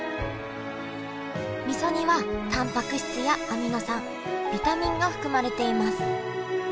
みそにはタンパク質やアミノ酸ビタミンが含まれています。